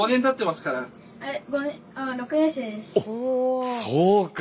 おそうか。